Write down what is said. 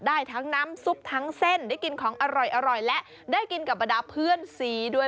ได้ทั้งน้ำซุปทั้งเส้นได้กินของอร่อยและได้กินกับบรรดาเพื่อนสีด้วย